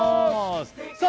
さあ